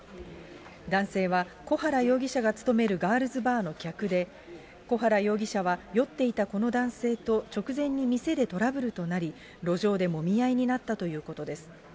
男性は小原容疑者が勤めるガールズバーの客で、小原容疑者は酔っていたこの男性と直前に店でトラブルとなり、路上でもみ合いになったということです。